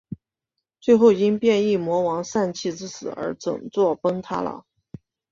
最后因变异魔王膻气之死而整座崩塌了。